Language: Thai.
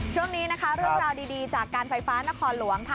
ช่วงนี้นะคะเรื่องราวดีจากการไฟฟ้านครหลวงค่ะ